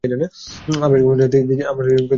আপনার কি মনেহয় তিনি আমাকে চিনতে পেরেছেন?